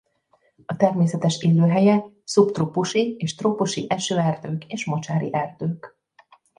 A természetes élőhelye szubtrópusi és trópusi esőerdők és mocsári erdők.